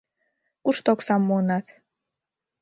Кушто оксам муынат?